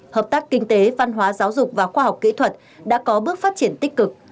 hợp tác kinh tế văn hóa giáo dục và khoa học kỹ thuật đã có bước phát triển tích cực